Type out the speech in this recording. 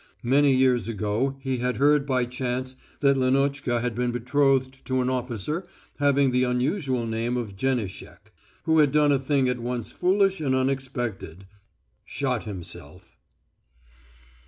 Many years ago he had heard by chance that Lenotchka had been betrothed to an officer having the unusual surname of Jenishek, who had done a thing at once foolish and unexpected shot himself.